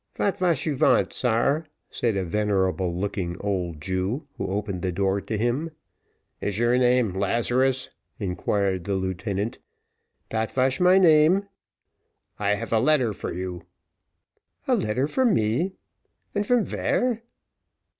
"Vat vash you vant, sare?" said a venerable looking old Jew, who opened the door to him. "Is your name Lazarus?" inquired the lieutenant. "Dat vash my name." "I have a letter for you." "A letter for me! and from vare?"